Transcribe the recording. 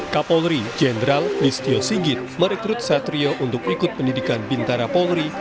kapolri jenderal listio sigit merekrut satrio untuk ikut pendidikan bintara polri